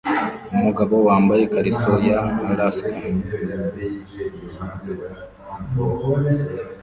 Umugabo yambaye ikariso ya Alaska